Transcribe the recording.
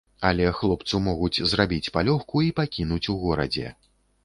Але хлопцу могуць зрабіць палёгку і пакінуць у горадзе.